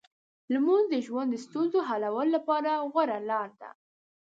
لمونځ د ژوند د ستونزو حلولو لپاره غوره لار ده.